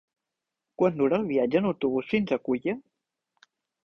Quant dura el viatge en autobús fins a Culla?